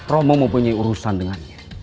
romo mempunyai urusan dengannya